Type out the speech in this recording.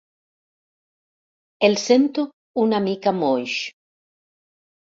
El sento una mica moix.